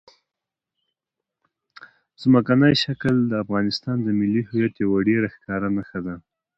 ځمکنی شکل د افغانستان د ملي هویت یوه ډېره ښکاره نښه ده.